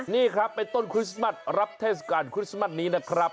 นี่ครับเป็นต้นคริสต์มัสรับเทศกาลคริสต์มัสนี้นะครับ